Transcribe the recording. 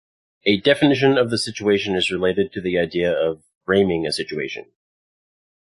A definition of the situation is related to the idea of "framing" a situation.